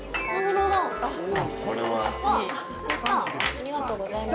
ありがとうございます。